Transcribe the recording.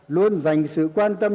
luôn dành sự quan tâm